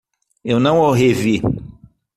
Eu não o revi.